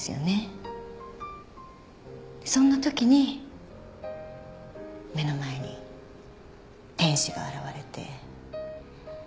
そんなときに目の前に天使が現れて。